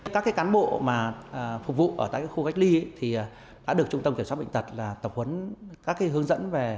các cán bộ phục vụ ở các khu cách ly đã được trung tâm kiểm soát bệnh tật tập huấn các hướng dẫn